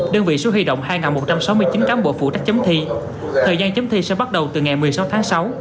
đơn vị sẽ huy động hai một trăm sáu mươi chín cán bộ phụ trách chấm thi thời gian chấm thi sẽ bắt đầu từ ngày một mươi sáu tháng sáu